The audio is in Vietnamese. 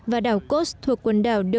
và đảo kos thuộc quần đảo đô